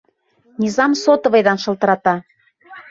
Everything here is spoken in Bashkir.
Низам сотовыйҙан шылтырата.